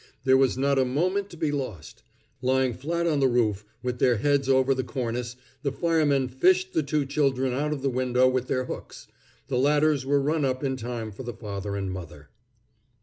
There was not a moment to be lost. Lying flat on the roof, with their heads over the cornice, the firemen fished the two children out of the window with their hooks. The ladders were run up in time for the father and mother.